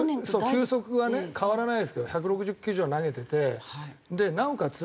球速は変わらないですけど１６０キロ以上投げててなおかつ